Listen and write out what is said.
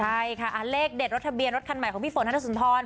ใช่ค่ะเลขเด็ดรถทะเบียนรถคันใหม่ของพี่ฝนธนสุนทร